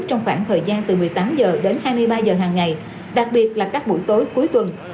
trong khoảng thời gian từ một mươi tám h đến hai mươi ba h hàng ngày đặc biệt là các buổi tối cuối tuần